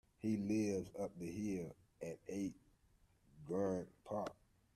He lives up the hill, at eight Grange Park